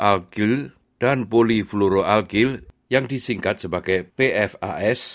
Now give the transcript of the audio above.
zat perfluoroalkylik dan polifluoroalkylik yang disingkat sebagai pfas